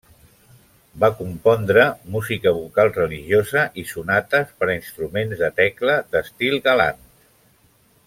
Va compondre música vocal religiosa i sonates per a instruments de tecla d'estil galant.